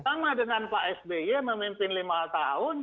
sama dengan pak sby memimpin lima tahun